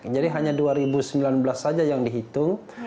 jadi hanya dua ribu sembilan belas saja yang dihitung